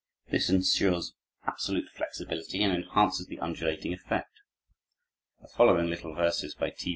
This insures absolute flexibility and enhances the undulating effect. The following little verses, by T.